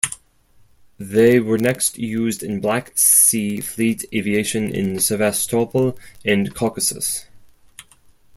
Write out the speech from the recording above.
They were next used in Black Sea Fleet aviation in Sevastopol and Caucasus.